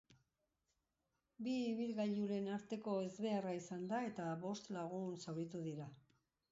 Bi ibilgailuren arteko ezbeharra izan da eta bost lagun zauritu dira.